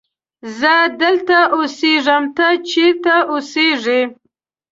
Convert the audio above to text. زه دلته اسیږم ته چیرت اوسیږی